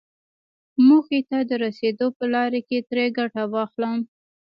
موخې ته د رسېدو په لاره کې ترې ګټه واخلم.